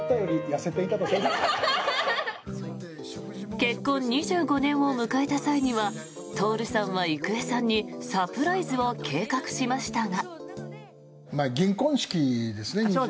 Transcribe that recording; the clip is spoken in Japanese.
結婚２５年を迎えた際には徹さんは郁恵さんにサプライズを計画しましたが。